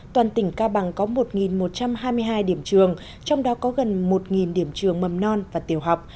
toàn tỉnh cao bằng có một một trăm hai mươi hai điểm trường trong đó có gần một điểm trường mầm non và tiểu học